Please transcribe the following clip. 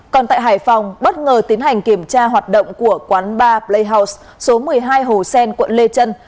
còn tại hải phòng bất ngờ tiến hành kiểm tra hoạt động của quán bar play house số một mươi hai hồ sen quận lê trân